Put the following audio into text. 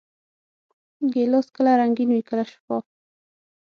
ګیلاس کله رنګین وي، کله شفاف.